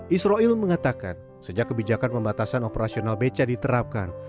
israel mengatakan sejak kebijakan pembatasan operasional beca diterapkan